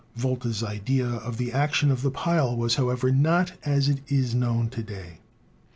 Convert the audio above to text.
Volta's idea of the action of the pile was, however, not as it is known to day.